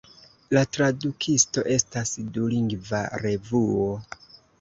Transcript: La Tradukisto estas dulingva revuo.